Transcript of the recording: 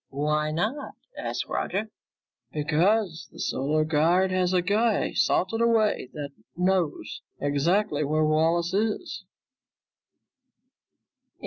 "Why not?" asked Roger. "Because the Solar Guard has a guy salted away that knows exactly where Wallace is."